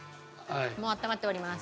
もうあったまっております。